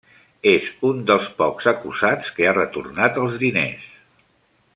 És un dels pocs acusats que ha retornat els diners.